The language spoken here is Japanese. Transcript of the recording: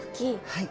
はい。